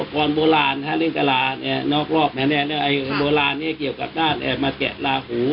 เฮ้ยสมัยตรวจกรณ์โบราณถ้าเล่นตลาดนอกรอบมาแน่โบราณนี้เกี่ยวกับการแอบมาแกะลาหู